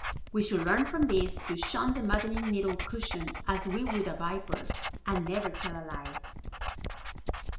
We should learn from this to shun the maddening needle cushion as we would a viper, and never tell a lie.